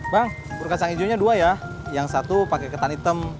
bang purkan sang ijo nya dua ya yang satu pake ketan hitam